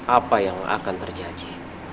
apa yang akan terjadi